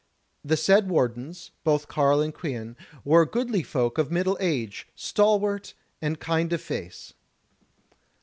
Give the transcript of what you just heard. The said wardens, both carle and quean, were goodly folk of middle age, stalwart, and kind of face.